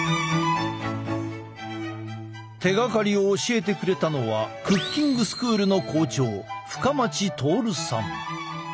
手がかりを教えてくれたのはクッキングスクールの校長深町亨さん。